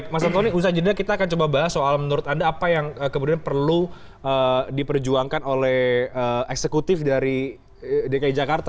mas antoni usaha jeda kita akan coba bahas soal menurut anda apa yang kemudian perlu diperjuangkan oleh eksekutif dari dki jakarta